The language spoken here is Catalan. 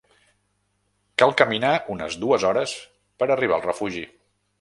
Cal caminar unes dues hores per arribar al refugi.